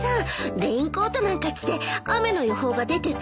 レインコートなんか着て雨の予報が出てた？